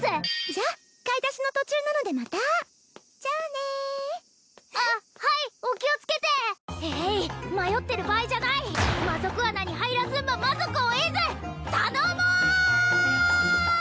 じゃっ買い出しの途中なのでまたじゃあねあっはいお気を付けてええい迷ってる場合じゃない魔族穴に入らずんば魔族を得ずたのも！